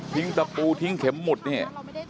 ทิ้งตะปูทิ้งเข็มหมุดเนี่ย